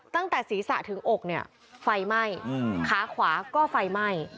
ตั้งแต่ศีรษะถึงอกเนี่ยไฟไหม้ขาขวาก็ไฟไหม้